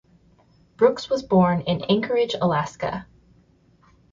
Brooks was born in Anchorage, Alaska.